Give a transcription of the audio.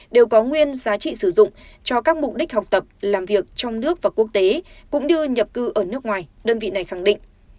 đều có nguyên giá trị sử dụng cho các mục đích học tập làm việc trong nước và quốc tế cũng như nhập cư ở nước ngoài đơn vị này khẳng định